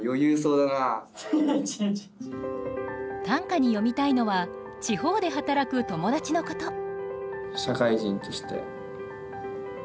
短歌に詠みたいのは地方で働く友達のこと。